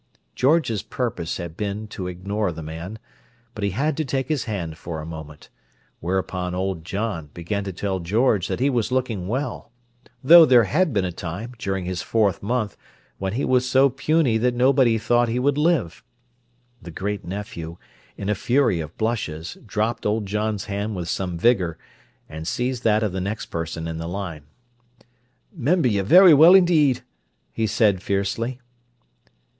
George's purpose had been to ignore the man, but he had to take his hand for a moment; whereupon old John began to tell George that he was looking well, though there had been a time, during his fourth month, when he was so puny that nobody thought he would live. The great nephew, in a fury of blushes, dropped old John's hand with some vigour, and seized that of the next person in the line. "Member you v'ry well 'ndeed!" he said fiercely.